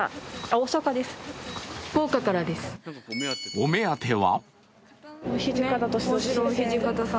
お目当ては？